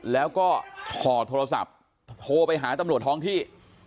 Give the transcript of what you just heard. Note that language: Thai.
แล้วก็ถอดโทรศัพท์โทรไปหาตำรวจท้องที่